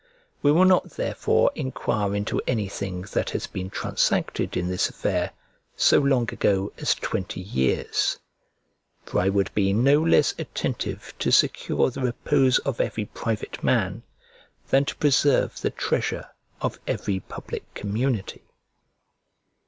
We will not therefore enquire into anything that has been transacted in this affair so long ago as twenty years; for I would be no less attentive to secure the repose of every private man than to preserve the treasure of every public community.